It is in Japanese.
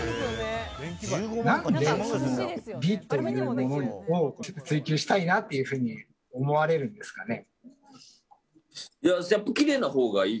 何で美というものを追求したいなというふうに思われるんですかね？